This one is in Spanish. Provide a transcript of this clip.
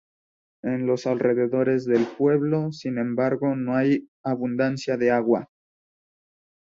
En los alrededores del pueblo, sin embargo no hay abundancia de agua.